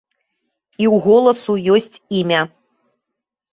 І ў голасу ёсць імя.